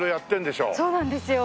そうなんですよ。